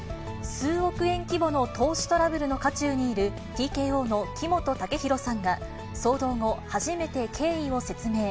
数億円規模の投資トラブルの渦中にいるＴＫＯの木本武宏さんが、騒動後、初めて経緯を説明。